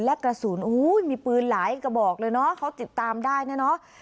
และกระสุนมีปืนหลายกระบอกเลยเนอะเขาติดตามได้นะเนาะ